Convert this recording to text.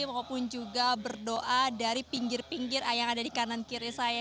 maupun juga berdoa dari pinggir pinggir yang ada di kanan kiri saya